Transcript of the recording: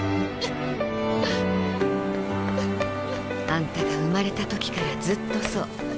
「あんたが生まれた時からずっとそう。